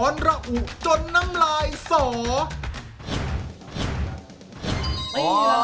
นี้แหละครับ